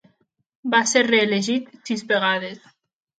Va ser reelegit sis vegades.